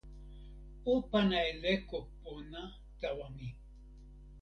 o pana e leko pona tawa mi.